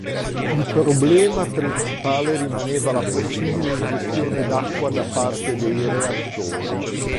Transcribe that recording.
Il problema principale rimaneva la possibile ingestione d'acqua da parte dei reattori.